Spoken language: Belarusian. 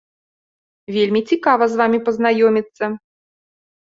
Вельмі цікава з вамі пазнаёміцца!